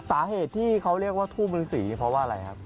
สาเหตุที่เขาเรียกว่าทูบฤษีเพราะว่าอะไรครับ